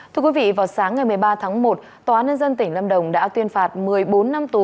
thưa quý vị vào sáng ngày một mươi ba tháng một tòa nhân dân tỉnh lâm đồng đã tuyên phạt một mươi bốn năm tù